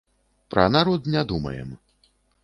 Пра народ не думаем.